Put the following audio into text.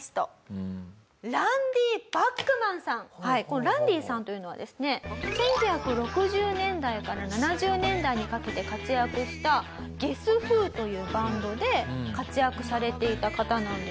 このランディさんというのはですね１９６０年代から７０年代にかけて活躍したゲス・フーというバンドで活躍されていた方なんですけれども。